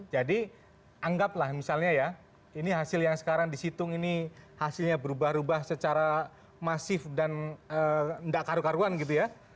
jadi anggaplah misalnya ya ini hasil yang sekarang di situng ini hasilnya berubah ubah secara masif dan gak karu karuan gitu ya